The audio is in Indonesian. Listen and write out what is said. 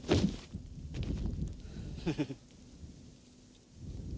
janganlah kau berguna